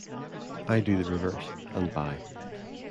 I do the reverse-and buy.